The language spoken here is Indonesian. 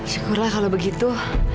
syukurlah kalau begitu